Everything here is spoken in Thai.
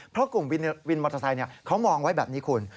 เพราะกลุ่มวินมอเตอร์ไซค์เขามองไว้แบบนี้คุณ